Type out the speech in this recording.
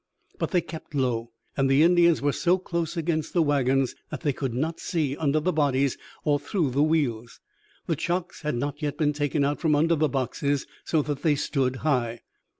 But they kept low, and the Indians were so close against the wagons that they could not see under the bodies or through the wheels. The chocks had not yet been taken out from under the boxes, so that they stood high.